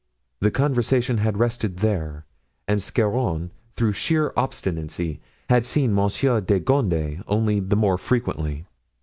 The conversation had rested there and Scarron, through sheer obstinacy, had seen Monsieur de Gondy only the more frequently.